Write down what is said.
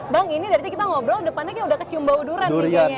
bang ini dari tadi kita ngobrol depannya kan udah kecium bau durian